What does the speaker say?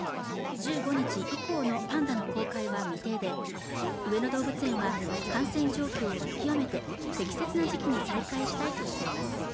１５日以降のパンダの公開は未定で上野動物園は感染状況を見極めて適切な時期に再開したいとしています